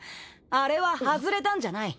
あれは外れたんじゃない。